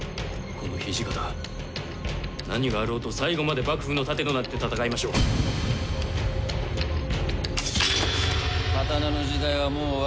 この土方何があろうと最後まで幕府の盾となって戦いましょう。